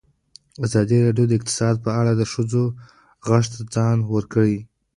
ازادي راډیو د اقتصاد په اړه د ښځو غږ ته ځای ورکړی.